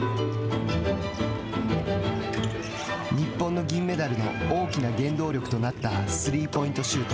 日本の銀メダルの大きな原動力となったスリーポイントシュート。